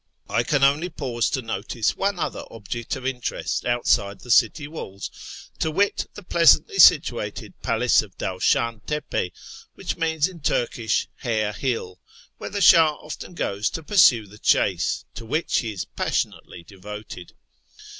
I can only pause to notice one other object of interest outside the city walls, to wit, the pleasantly situated palace of Dawshan tepe (which means in Turkish " Hare hill"), where the Shah often goes to pnrsne the chase, to which he is pas sionately devoted.